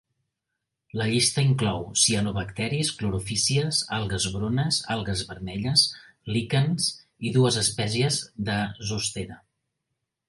La llista inclou: cianobacteris, clorofícies, algues brunes, algues vermelles, líquens i dues espècies de zostera.